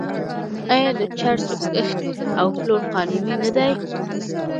آیا د چرسو کښت او پلور قانوني نه دی؟